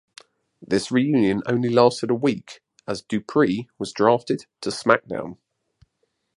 This reunion only lasted a week, as Dupree was drafted to SmackDown!